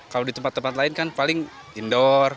kalau di tempat tempat lain kan paling indoor